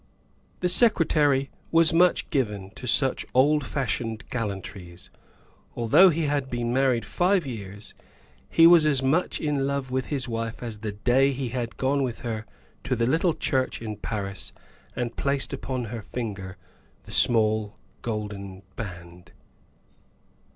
The Secretary was much given to such old fashioned gallantries. Although he had been married five years, he was as much in love with his wife as the day he had gone with her to the little church in Paris and placed upon her finger the small golden band.